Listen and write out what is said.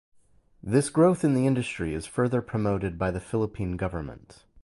This growth in the industry is further promoted by the Philippine government.